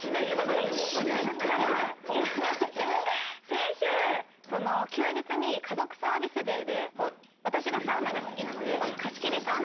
先週休日に家族サービスデーで私がサウナが好きなので。